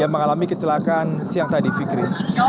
yang mengalami kecelakaan siang tadi fikri